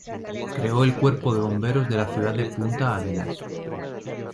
Creó el cuerpo de bomberos de la ciudad de Punta Arenas.